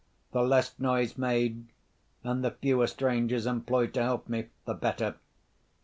The less noise made, and the fewer strangers employed to help me, the better.